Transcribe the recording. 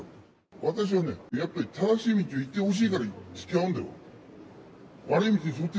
私はね、やっぱり正しい道に行ってほしいからつきあうんだよ。